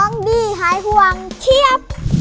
ร้องดีหายห่วงเทียบ